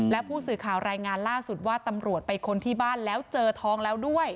และผู้สื่อข่าวรายงานล่าสุดว่าตำรวจไปค้นที่บ้านแล้วเจอทองแล้วด้วย